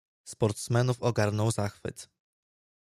"Sportsmenów ogarnął zachwyt."